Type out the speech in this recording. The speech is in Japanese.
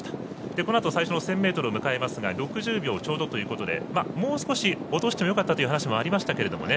このあと最初の１０００ｍを迎えますが６０秒ちょうどということでもう少し落としてもよかったという話もありましたけどもね。